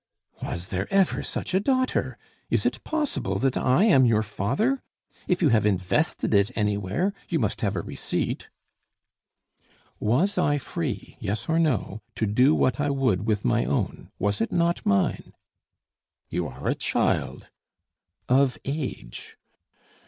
"Was there ever such a daughter? Is it possible that I am your father? If you have invested it anywhere, you must have a receipt " "Was I free yes or no to do what I would with my own? Was it not mine?" "You are a child." "Of age."